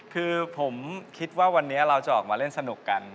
คือผมคิดว่าวันนี้เราจะออกมาเล่นสนุกกัน